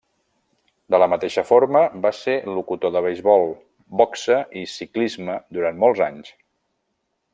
De la mateixa forma, va ser locutor de beisbol, boxa i ciclisme durant molts anys.